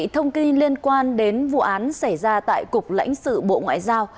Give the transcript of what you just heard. thông tin liên quan đến vụ án xảy ra tại cục lãnh sự bộ ngoại giao